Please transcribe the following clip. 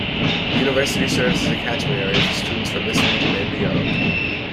The university serves as a catchment area for students from this region and beyond.